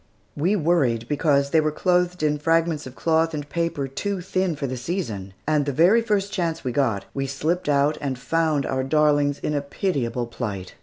We worried because they were clothed in fragments of cloth and paper too thin for the season; and the very first chance we got, we slipped out and found our darlings in a pitiable plight.